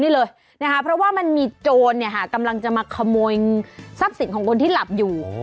ก็เลยเนี่ยครับเพราะว่ามันมีโจนนี่ครับตำรันจะมาคนโมยทัพสินของคนที่หลับอยู่